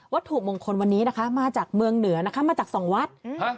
ถูกมงคลวันนี้นะคะมาจากเมืองเหนือนะคะมาจากสองวัด